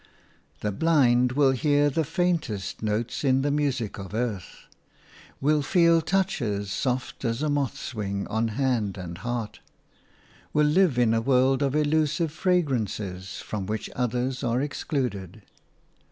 The blind will hear the faintest notes in the music of earth, will feel touches soft as a moth's wing on hand and heart, will live in a world of elusive fragrances from which others are excluded.